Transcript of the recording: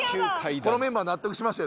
このメンバー納得しましたよ